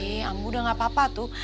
hei amu udah gak apa apa tuh